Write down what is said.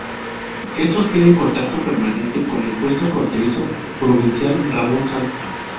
Estos tienen contacto permanente con el puesto fronterizo provincial Ramón Santos.